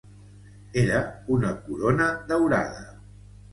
Era una corona daurada.